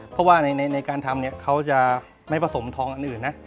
เพราะว่าในการทำเขาจะไม่ผสมทองอันอื่นนะ